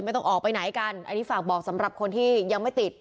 ไม่ต้องออกไปไหนกันอันนี้ฝากบอกสำหรับคนที่ยังไม่ติด